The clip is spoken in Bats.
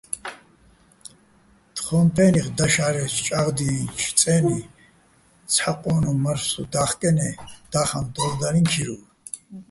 თხოჼ ფე́ნიხ დაშა́რეჩო̆ ჭაღდიენჩო̆ წე́ნი ცჰ̦ა ყო́ნუჼ მარფსტუ და́ხკენე́ და́ხაჼ დოლდალიჼ ქირუვ.